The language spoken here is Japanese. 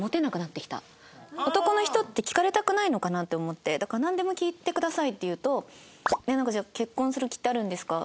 男の人って聞かれたくないのかなって思ってだから「なんでも聞いてください」って言うと「じゃあ結婚する気ってあるんですか？」。